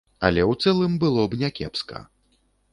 Але ў цэлым было б някепска.